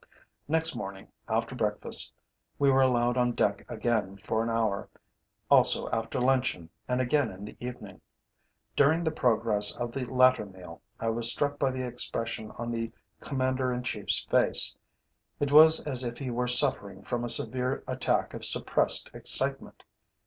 Next morning, after breakfast, we were allowed on deck again for an hour, also after luncheon, and again in the evening. During the progress of the latter meal I was struck by the expression on the Commander in Chief's face. It was as if he were suffering from a severe attack of suppressed excitement.